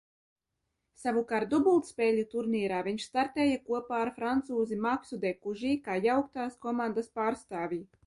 Savukārt dubultspēļu turnīrā viņš startēja kopā ar francūzi Maksu Dekužī kā Jauktās komandas pārstāvji.